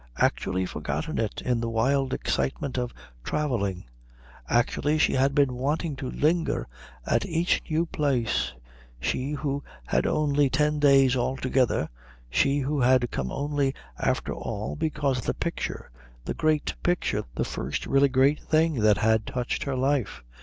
Actually forgotten it in the wild excitement of travelling; actually she had been wanting to linger at each new place, she who had only ten days altogether, she who had come only after all because of the picture, the great picture, the first really great thing that had touched her life.